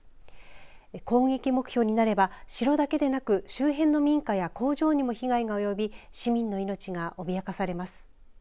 攻撃目標になれば城だけでなく周辺の民家や工場にも被害が及び市民の命が脅かされます。